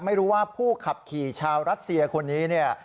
ไม่รู้ว่าผู้ขับขี่ชาวรัสเซียคนนี้เนี่ย